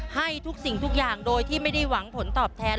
ให้ทุกสิ่งทุกอย่างโดยที่ไม่ได้หวังผลตอบแทน